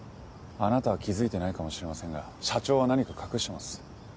あなたは気づいてないかもしれませんが社長は何か隠してます。